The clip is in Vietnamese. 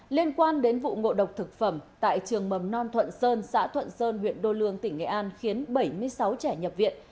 liên quan đến vụ ngộ độc thực phẩm tại trường mầm non thuận sơn xã thuận sơn huyện đô lương tỉnh nghệ an khiến bảy mươi sáu trẻ nhập viện